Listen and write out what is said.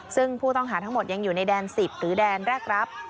ซึ่งผู้ต้องหาทั้งหมดยังอยู่ในแดน๑๐หรือแดนแรกรับ